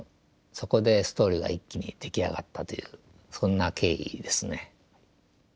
そこでストーリーが一気に出来上がったというそんな経緯ですね。